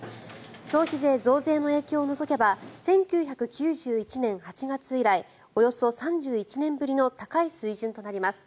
消費税増税の影響を除けば１９９１年８月以来およそ３１年ぶりの高い水準となります。